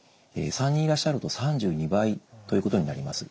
３人いらっしゃると３２倍ということになります。